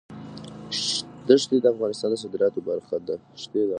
ښتې د افغانستان د صادراتو برخه ده.